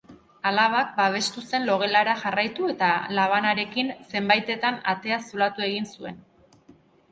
Alabak babestu zen logelara jarraitu eta labanarekin zenbaitetan atea zulatu egin zuen.